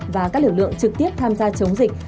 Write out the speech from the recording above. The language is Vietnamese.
và các lực lượng trực tiếp tham gia chống dịch